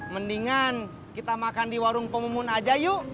mendingan kita makan di warung pak mumun aja yuk